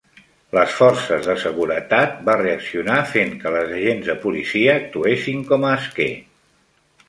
Les forces de seguretat va reaccionar fent que les agents de policia actuessin com a esquer.